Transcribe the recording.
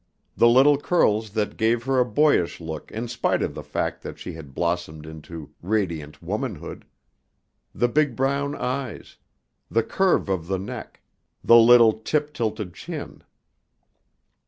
The little curls that gave her a boyish look in spite of the fact that she had blossomed into radiant womanhood. The big brown eyes. The curve of the neck, the little tip tilted chin!